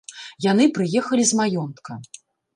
Яны прыехалі з маёнтка.